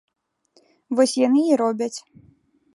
Вось яны і робяць.